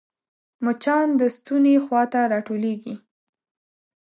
مچان د ستوني خوا ته راټولېږي